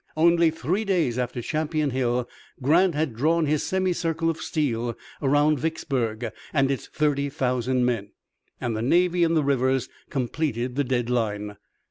Only three days after Champion Hill Grant had drawn his semicircle of steel around Vicksburg and its thirty thousand men, and the navy in the rivers completed the dead line.